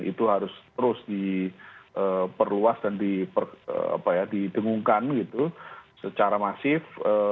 itu harus terus diperluas dan didengungkan secara masif